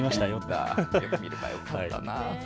見ればよかったな。